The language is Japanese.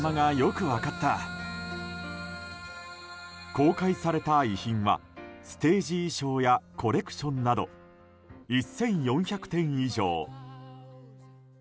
公開された遺品はステージ衣装やコレクションなど１４００点以上。